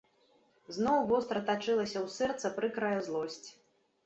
Зноў востра тачылася ў сэрца прыкрая злосць.